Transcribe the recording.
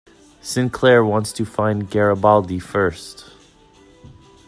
Sinclair wants to find Garibaldi first.